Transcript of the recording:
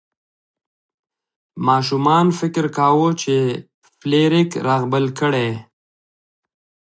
ماشومان فکر کاوه چې فلیریک رغبل کړي.